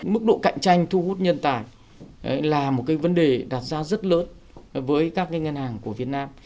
mức độ cạnh tranh thu hút nhân tài là một cái vấn đề đặt ra rất lớn với các ngân hàng của việt nam